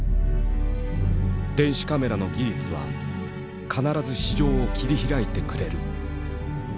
「電子カメラの技術は必ず市場を切り開いてくれる」。